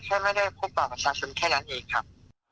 แค่ไม่ได้พบปากประชาชนแค่นั้นเองครับ